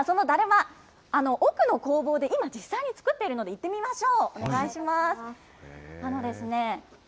では、そのだるま、奥の工房で今、実際に作っているので行ってみましょう。